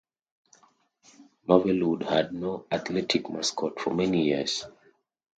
Marvelwood had no athletic mascot for many years.